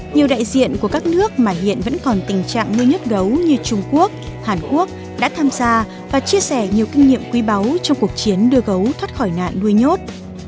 nhiều đại diện của các nước mà hiện vẫn còn tình trạng nuôi nhốt gấu như trung quốc hàn quốc đã tham gia và chia sẻ nhiều kinh nghiệm quý báu trong cuộc chiến đưa gấu thoát khỏi nạn nuôi nhốt